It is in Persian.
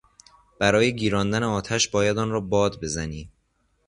برای گیراندن آتش باید آن را باد بزنی.